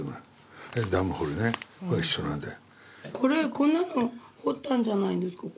こんなの掘ったんじゃないですか。